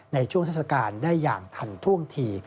ในช่วงเทศกาลได้อย่างทันท่วงที